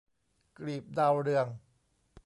กลีบดาวเรือง